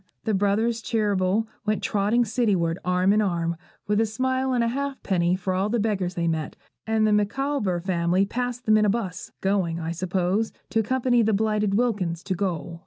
The brothers Cheeryble went trotting cityward arm in arm, with a smile and ha'penny for all the beggars they met; and the Micawber family passed them in a bus, going, I suppose, to accompany the blighted Wilkins to gaol.